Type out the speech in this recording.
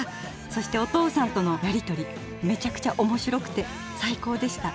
そしてお父さんとのやり取りめちゃくちゃおもしろくて最高でした。